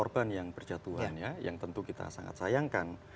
ya itu adalah hal yang berjatuhan ya yang tentu kita sangat sayangkan